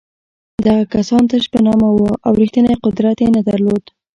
دغه کسان تش په نامه وو او رښتینی قدرت یې نه درلود.